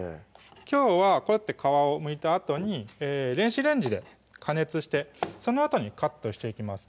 きょうはこうやって皮をむいたあとに電子レンジで加熱してそのあとにカットしていきます